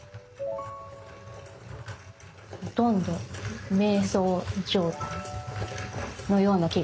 ほとんど瞑想状態のような気がします。